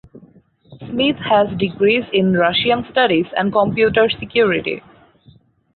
Smith has degrees in Russian studies and computer security.